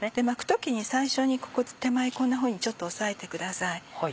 巻く時に最初手前こんなふうにちょっと押さえてください。